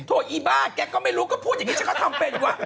อีบ้าแกก็ไม่รู้ก็พูดอย่างนี้ฉันก็ทำเป็นวะ